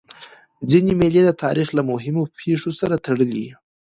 ځيني مېلې د تاریخ له مهمو پېښو سره تړلي يي.